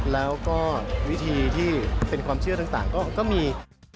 แล้วก็วิธีที่เป็นความเชื่อต่างก็มี